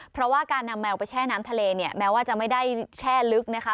เพราะว่าการนำแมวไปแช่น้ำทะเลเนี่ยแม้ว่าจะไม่ได้แช่ลึกนะคะ